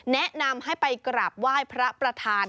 แนะนำให้ไปกราบไหว้พระประธาน